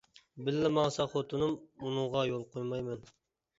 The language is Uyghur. بىللە ماڭسا خوتۇنۇم، ئۇنىڭغا يول قويمايمەن.